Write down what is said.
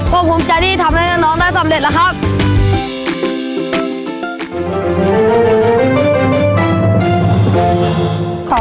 ก็ภูมิใจที่ทำให้น้องได้สำเร็จแล้วครับ